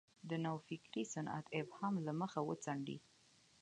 د نوفکرۍ سنت ابهام له مخه وڅنډي.